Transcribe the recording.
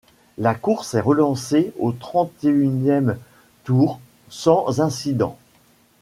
La course est relancée au trente-et-unième tour, sans incident.